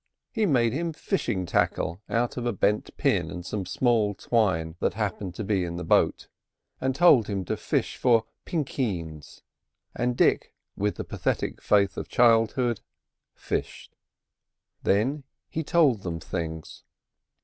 He made him fishing tackle out of a bent pin and some small twine that happened to be in the boat, and told him to fish for "pinkeens"; and Dick, with the pathetic faith of childhood, fished. Then he told them things.